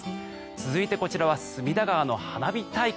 続いてこちらは隅田川の花火大会。